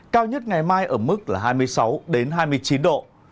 cao nhất ngày mai ở mức là hai mươi sáu hai mươi chín độ